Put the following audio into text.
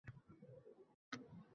Yoshlar va harbiylar uchrashuvi